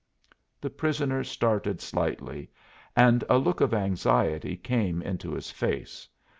The prisoner started slightly and a look of anxiety came into his face.